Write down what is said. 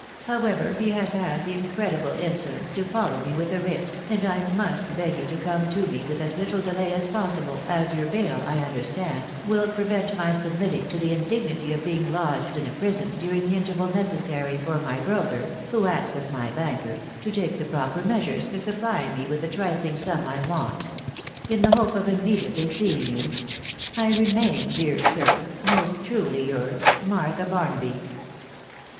... However, he has had the incredible insolence to follow me with a writ, and I must beg you to come to me with as little delay as possible, as your bail, I understand, will prevent my submitting to the indignity of being lodged in a prison during the interval necessary for my broker (who acts as my banker) to take the proper measures for supplying me with the trifling sum I want. In the hope of immediately seeing you, u 1 remain, dear sir, " Most truly yours, •' Martha Barnaby."